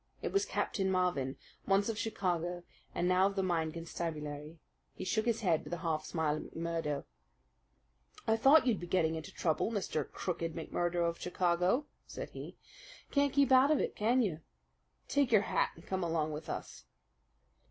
It was Captain Marvin, once of Chicago, and now of the Mine Constabulary. He shook his head with a half smile at McMurdo. "I thought you'd be getting into trouble, Mr. Crooked McMurdo of Chicago," said he. "Can't keep out of it, can you? Take your hat and come along with us."